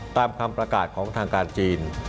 ตามคำประกาศของทางการจีน